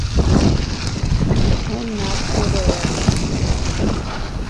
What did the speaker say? Уцон наҟ урылаӡ.